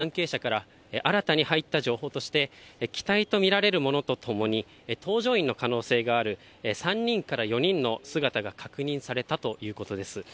そしてその後、きょう、防衛省の関係者から新たに入った情報として、機体と見られるものとともに、搭乗員の可能性がある３人から４人の姿が確認されたということです。